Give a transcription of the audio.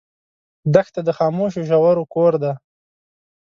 دښته د خاموشو ژورو کور دی.